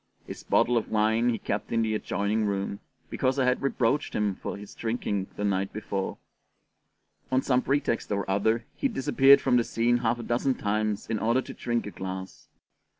His bottle of wine he kept in the adjoining room, because I had reproached him for his drinking the night before: on some pretext or other he disappeared from the scene half a dozen times in order to drink a glass.